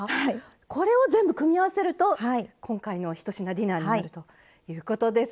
これを全部組み合わせると今回の１品ディナーになるということです。